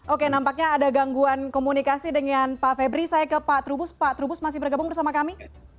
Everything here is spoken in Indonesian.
oke nampaknya ada gangguan komunikasi dengan pak febri saya ke pak trubus pak trubus masih bergabung bersama kami